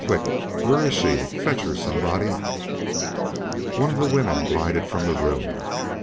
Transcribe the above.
Quick! Where is she? Fetch her, somebody." One of the women glided from the room.